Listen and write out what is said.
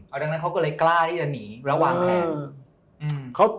ดังนั้นเขาก็เลยกล้าที่จะหนีแล้ววางแผน